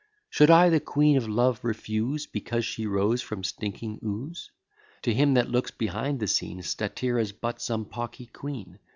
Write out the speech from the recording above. Should I the Queen of Love refuse, Because she rose from stinking ooze? To him that looks behind the scene, Statira's but some pocky quean.